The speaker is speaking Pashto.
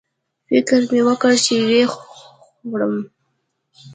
فکر مې وکړ چې ویې خوړلم